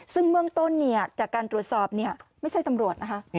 ซึ่งเมืองต้นเนี่ยจากการตรวจสอบเนี่ยไม่ใช่ตำรวจนะคะ